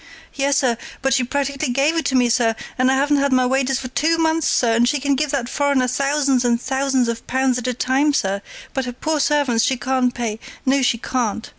"Yes, sir but she practically gave it to me, sir, and I haven't had my wages for two months, sir, and she can give that foreigner thousands and thousands of pounds at a time, sir, but her poor servants she can't pay no, she can't.